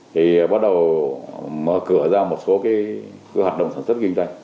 thì bắt đầu mở cửa ra một số cái hoạt động sản xuất kinh doanh